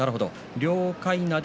両かいなで